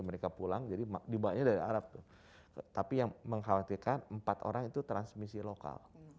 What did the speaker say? mereka pulang jadi dibawanya dari arab tuh tapi yang mengkhawatirkan empat orang itu transmisi lokal